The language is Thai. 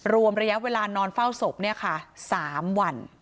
รวมระยะเวลานอนเฝ้าศพ๓วัน